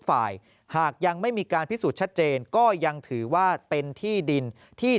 ฝ่ายหากยังไม่มีการพิสูจน์ชัดเจนก็ยังถือว่าเป็นที่ดินที่